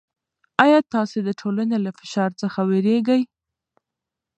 آیا تاسې د ټولنې له فشار څخه وېرېږئ؟